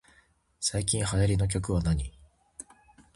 最近流行りの曲はなに